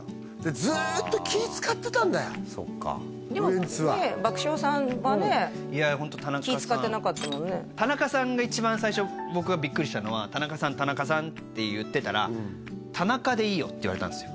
ずーっと気ぃ使ってたんだよウエンツはでも爆笑さんはね気ぃ使ってなかったもんね田中さんが一番最初僕がビックリしたのは「田中さん田中さん」って言ってたら「田中でいいよ」って言われたんですよ